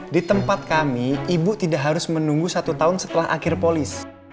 di tempat kami ibu tidak harus menunggu satu tahun setelah akhir polis